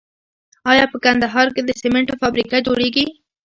آیا په کندهار کې د سمنټو فابریکه جوړیږي؟